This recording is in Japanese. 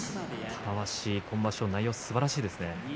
玉鷲、今場所の内容すばらしいですね。